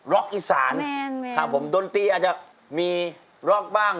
อีสานไหมครับผมดนตรีอาจจะมีร็อกบ้าง